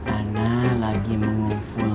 anak lagi mengufulkan